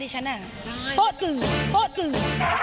ตอ๊ะตึง